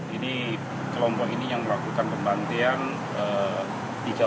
ini kelompok ini yang melakukan pembantian